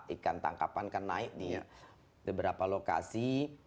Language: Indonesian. ikan tangkapan kan naik di beberapa lokasi